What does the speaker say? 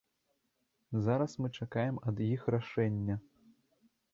Зараз мы чакаем ад іх рашэння.